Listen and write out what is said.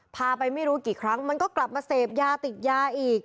พาไปไม่รู้กี่ครั้งมันก็กลับมาเสพยาติดยาอีก